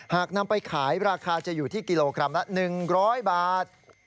หากนำไปขายราคาจะอยู่ที่กิโลกรัมละ๑๐๐บาท